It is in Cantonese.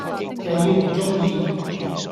又要唔鐘意